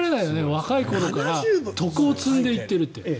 若い頃から徳を積んでいってるって。